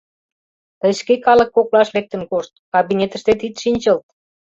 — Тый шке калык коклаш лектын кошт, кабинетыштет ит шинчылт...